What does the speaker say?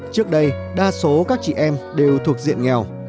trước đây đa số các chị em đều thuộc diện nghèo